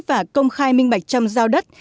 và công khai minh bạch chăm giao đất